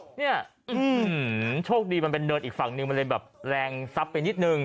เนี่ยโชคดีมันเป็นเนินอีกฝั่งหนึ่งมันเลยแบบแรงซับไปนิดนึง